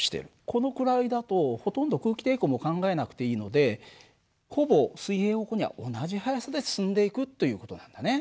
このくらいだとほとんど空気抵抗も考えなくていいのでほぼ水平方向には同じ速さで進んでいくという事なんだね。